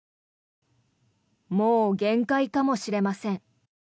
もう限界かもしれません。